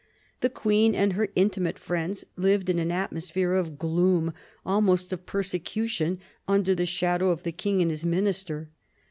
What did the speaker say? The Queen and her intimate friends lived in an atmosphere of gloom, almost of per secution, under the shadow of the King and his Minister.